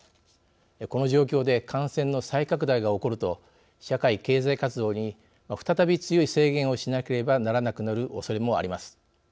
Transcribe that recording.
この状況で感染の再拡大が起こると社会経済活動に再び強い制限をしなければならなくなるおそれもあります。